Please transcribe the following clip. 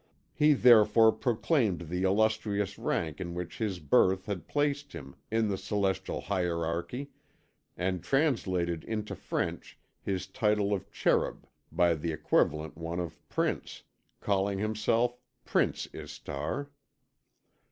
He therefore proclaimed the illustrious rank in which his birth had placed him in the celestial hierarchy and translated into French his title of Cherub by the equivalent one of Prince, calling himself Prince Istar.